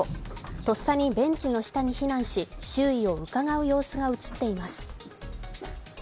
とっさにベンチの下に避難し周囲をうかがう様子が映っています。